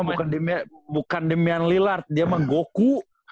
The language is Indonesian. si yuda mah bukan damien lillard dia mah goku